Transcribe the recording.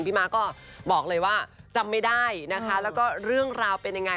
ม้าก็บอกเลยว่าจำไม่ได้นะคะแล้วก็เรื่องราวเป็นยังไง